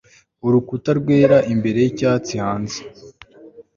urukuta rwera imbere n'icyatsi hanze